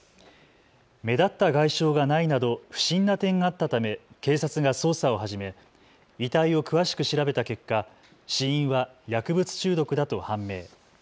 目立った外傷がないなど不審な点があったため警察が捜査を始め遺体を詳しく調べた結果、死因は薬物中毒だと判明。